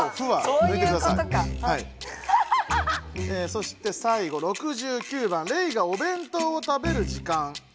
そして最後６９番「レイがおべんとうを食べる時間」。